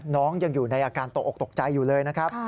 น้องยังอยู่ในอาการตกออกตกใจอยู่เลยนะครับ